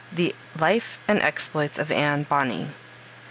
THE LIFE AND EXPLOITS OF ANNE BONNEY.